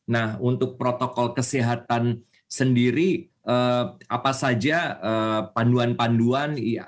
nah untuk protokol kesehatan sendiri apa saja panduan panduan